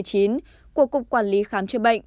của cục quản lý khám chữa bệnh